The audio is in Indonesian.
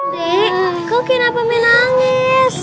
dek kok kenapa mending nangis